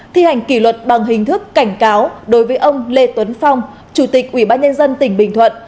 thi hành kỷ luật bằng hình thức cảnh cáo đối với ông lê tuấn phong chủ tịch ubnd tỉnh bình thuận